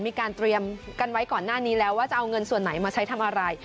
มีการเตรียมกันไว้ก่อนหน้านี้แล้วว่าจะเอาเงินส่วนไหนมาใช้ทำอะไร